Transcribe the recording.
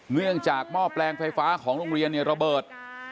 เนื่องจากหม้อแปลงไฟฟ้าของโรงเรียนระเบิด